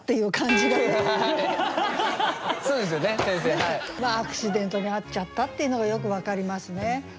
そう本当にねアクシデントに遭っちゃったっていうのがよく分かりますね。